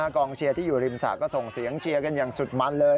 กองเชียร์ที่อยู่ริมสระก็ส่งเสียงเชียร์กันอย่างสุดมันเลย